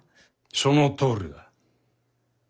そのとおりだ。